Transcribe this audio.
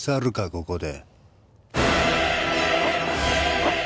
ここで！